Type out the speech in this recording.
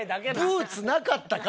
ブーツなかったか？